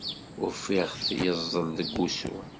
Ufiɣ-t yeẓẓel deg wusu.